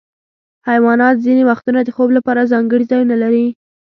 حیوانات ځینې وختونه د خوب لپاره ځانګړي ځایونه لري.